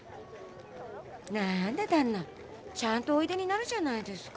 何だ旦那ちゃんとおいでになるじゃないですか。